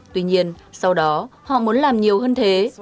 tuy nhiên sau đó họ muốn làm nhiều hơn thế